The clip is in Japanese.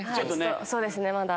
そうですねまだ。